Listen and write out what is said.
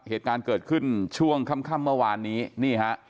เหตุการณ์เกิดขึ้นช่วงค่ำเมื่อวานนี้นี่ฮะ